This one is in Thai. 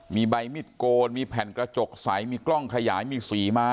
มีใบมิดโกนมีแผ่นกระจกใสมีกล้องขยายมีสีม้า